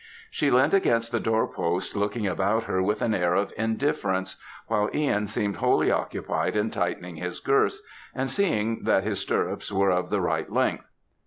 She leant against the door post looking about her with an air of indifference; while Ihan seemed wholly occupied in tightening his girths and seeing that his stirrups were of the right length.